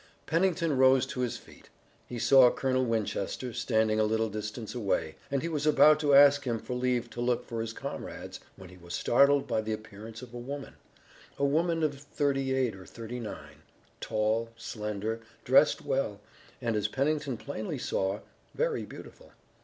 Pennington rose to his feet. He saw Colonel Winchester, standing a little distance away, and he was about to ask him for leave to look for his comrades, when he was startled by the appearance of a woman, a woman of thirty eight or nine, tall, slender, dressed well, and as Pennington plainly saw, very beautiful.